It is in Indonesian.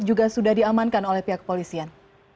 juga sudah diamankan oleh pihak kepolisian